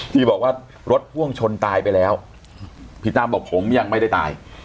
ที่บอกว่ารถพ่วงชนตายไปแล้วพี่ตั้มบอกผมยังไม่ได้ตาย